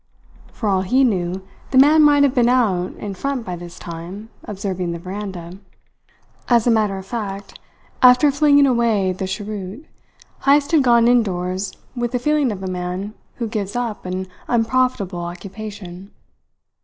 For all he knew, the man might have been out in front by this time, observing the veranda. As a matter of fact, after flinging away the cheroot, Heyst had gone indoors with the feeling of a man who gives up an unprofitable occupation.